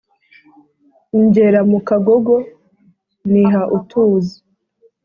ngera mu kagogo niha utuzi